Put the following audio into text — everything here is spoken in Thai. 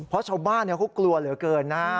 เพราะชาวบ้านเขากลัวเหลือเกินนะฮะ